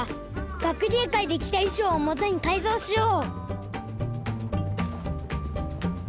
学げい会で着たいしょうをもとにかいぞうしよう。